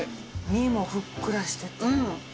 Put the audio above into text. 身もふっくらしてて。